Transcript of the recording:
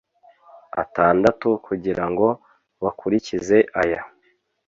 atandatu kugira ngo bakurikize aya